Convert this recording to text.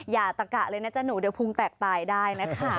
อย่าตะกะเลยนะจ๊ะหนูเดี๋ยวพุงแตกตายได้นะคะ